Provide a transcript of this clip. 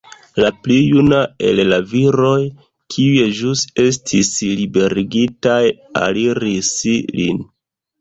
La pli juna el la viroj, kiuj ĵus estis liberigitaj, aliris lin.